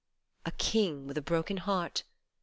" A king with a broken heart !